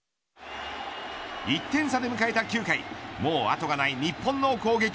１点差で迎えた９回もう後がない日本の攻撃。